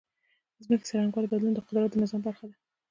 د ځمکې د څرنګوالي بدلون د قدرت د نظام برخه ده.